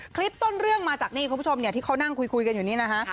คลิปต้นเรื่องมาจากนี่คุณผู้ชมที่เขานั่งคุยกันอยู่นี่นะคะ